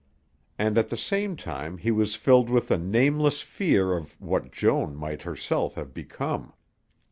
And at the same time he was filled with a nameless fear of what Joan might herself have become.